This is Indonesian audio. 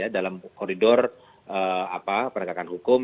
dalam koridor penegakan hukum